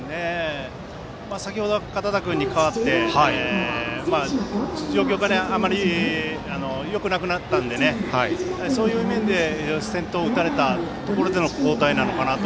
先程、堅田君に代わって状況からあまりよくなくなったのでそういう面で先頭を打たれたところでの交代なのかなと。